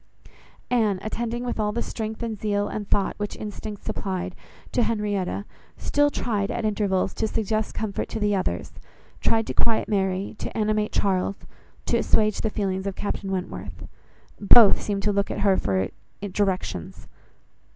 Anne, attending with all the strength and zeal, and thought, which instinct supplied, to Henrietta, still tried, at intervals, to suggest comfort to the others, tried to quiet Mary, to animate Charles, to assuage the feelings of Captain Wentworth. Both seemed to look to her for directions.